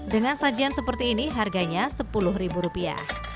dengan sajian seperti ini harganya sepuluh ribu rupiah